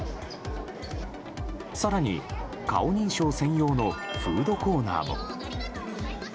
更に顔認証専用のフードコーナーも。